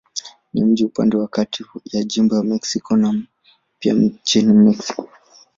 Ni mji upande wa kati ya jimbo Mexico na pia nchi Mexiko.